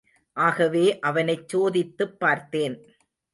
ஆகவே அவனைச் சோதித்துப் பார்த்தேன்.